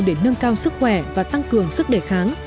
để nâng cao sức khỏe và tăng cường sức đề kháng